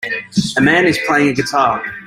A man is playing a guitar.